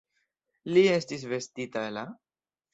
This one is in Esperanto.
Li estis vestita la?